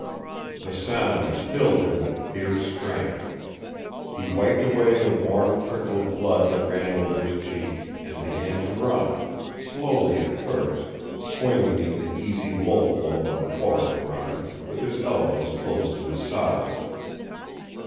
The sounds filled him with fierce strength. He wiped away the warm trickle of blood that ran over his cheek, and began to run, slowly at first, swinging in the easy wolf lope of the forest runner, with his elbows close to his sides.